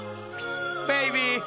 ベイビー！